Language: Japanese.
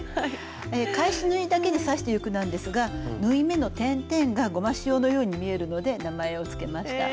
返し縫いだけで刺していくんですが縫い目の点々がゴマシオのように見えるので名前をつけました。